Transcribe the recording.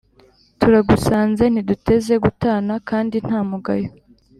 turagusanze ntiduteze gutana, kandi nta mugayo,